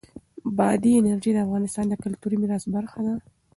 بادي انرژي د افغانستان د کلتوري میراث برخه ده.